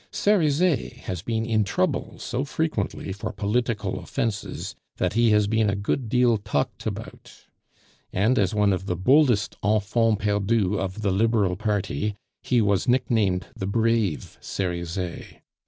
Cerizet has been in trouble so frequently for political offences that he has been a good deal talked about; and as one of the boldest enfants perdus of the Liberal party he was nicknamed the "Brave Cerizet."